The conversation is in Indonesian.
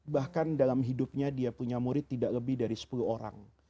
bahkan dalam hidupnya dia punya murid tidak lebih dari sepuluh orang